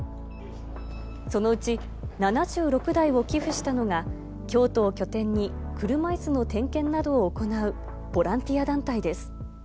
そのうち、７６台を寄付したのが、京都を拠点に車いすの点検などを行うボランティア団体です。